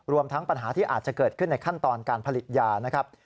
ทั้งปัญหาที่อาจจะเกิดขึ้นในขั้นตอนการผลิตยานะครับ